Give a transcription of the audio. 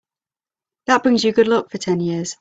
That brings you good luck for ten years.